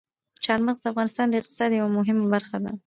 چار مغز د افغانستان د اقتصاد یوه مهمه برخه ده.